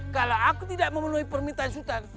kalau aku tidak memenuhi permintaan sutar